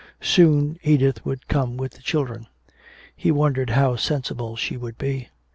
Soon Edith would come with the children. He wondered how sensible she would be.